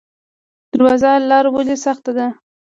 درواز لاره ولې سخته ده؟